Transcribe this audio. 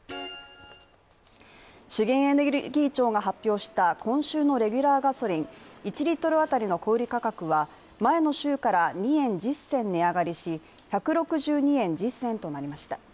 資源エネルギー庁が発表した今週のレギュラーガソリン１Ｌ当たりの小売価格は、前の週から２円１０銭値上がりし、１６２円１０銭となりました。